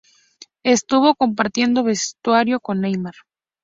Estuvo compartiendo vestuario con Neymar.